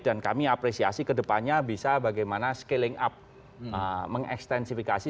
dan kami apresiasi kedepannya bisa bagaimana scaling up mengekstensifikasi